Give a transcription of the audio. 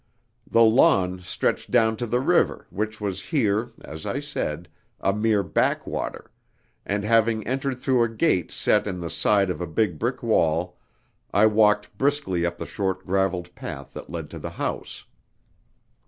The lawn stretched down to the river, which was here, as I said, a mere backwater, and having entered through a gate set in the side of a big brick wall, I walked briskly up the short gravelled path that led to the house.